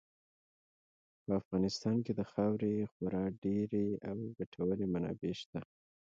په افغانستان کې د خاورې خورا ډېرې او ګټورې منابع شته.